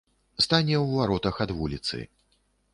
Стане ў варотах ад вуліцы.